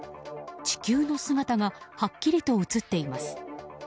地球の姿がはっきりと写っています。